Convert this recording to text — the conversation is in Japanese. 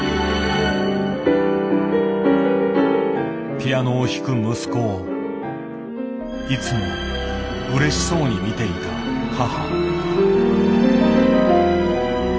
ピアノを弾く息子をいつもうれしそうに見ていた母。